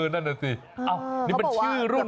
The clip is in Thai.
นั่นแหละสินี่เป็นชื่อรุ่นนะ